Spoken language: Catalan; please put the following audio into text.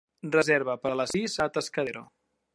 reserva per a sis a Atascadero